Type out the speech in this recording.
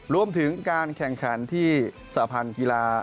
รวมถึงการแข่งขันที่สาพันธ์กีฬา